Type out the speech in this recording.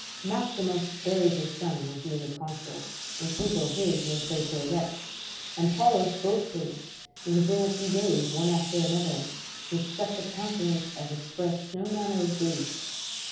Q. Maximus buried his son when he was a consul, and M. Cato his when praetor elect, and L. Paulus both his, within a few days one after another, with such a countenance as expressed no manner of grief.